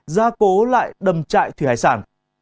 ra cố lại đầm trại thủy hải sản